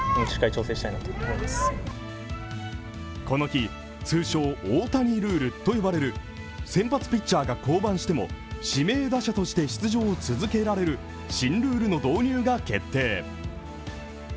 この日、通称・大谷ルールと呼ばれる先発ピッチャーが降板しても、指名打者として出場を続けられる新ルールの導入が決定。